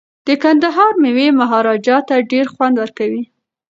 د کندهار میوې مهاراجا ته ډیر خوند ورکوي.